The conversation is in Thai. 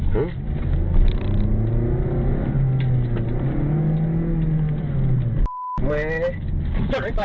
จูบอันดีจังเลย